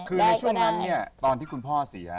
คือในช่วงนั้นเนี่ยตอนที่คุณพ่อเสีย